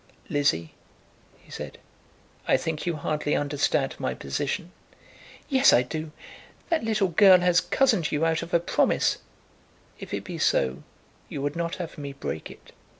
"Lizzie," he said, "I think you hardly understand my position." "Yes, I do. That little girl has cozened you out of a promise." "If it be so, you would not have me break it."